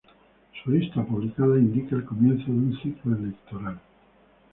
Su lista publicada indica el comienzo de un ciclo electoral.